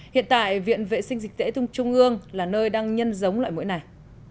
hiện tại viện vệ sinh dịch tễ trung ương là nơi đang nhân giống loại mũi này